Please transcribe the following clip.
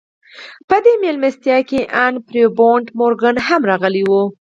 په دې مېلمستيا کې ان پيرپونټ مورګان هم راغلی و.